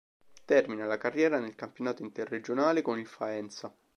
Termina la carriera nel Campionato Interregionale con il Faenza.